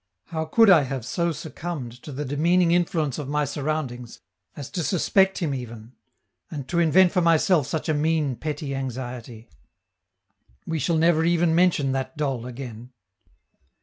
How could I have so succumbed to the demeaning influence of my surroundings as to suspect him even, and to invent for myself such a mean, petty anxiety? We never shall even mention that doll again.